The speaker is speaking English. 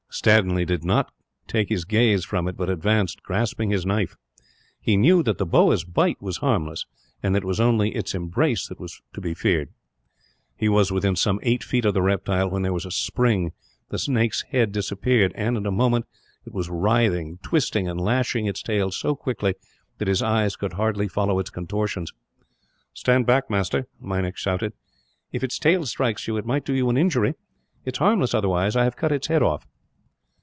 Stanley did not take his gaze from it; but advanced, grasping his knife. He knew that the boa's bite was harmless, and that it was only its embrace that was to be feared. He was within some eight feet of the reptile, when there was a spring. The snake's head disappeared and, in a moment, it was writhing, twisting, and lashing its tail so quickly that his eyes could hardly follow its contortions. "Stand back, master," Meinik shouted. "If its tail strikes you, it might do you an injury. It is harmless, otherwise. I have cut its head off."